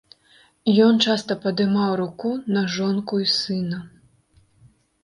Ён часта падымаў руку на жонку і сына.